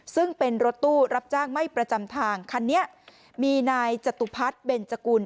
ซึ่งเป็นรถตู้รับจ้างไม่ประจำทางคันนี้มีนายจตุพัฒน์เบนจกุล